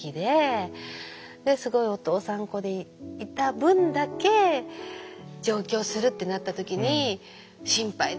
すごいお父さん子でいた分だけ上京するってなった時に「心配だ」って。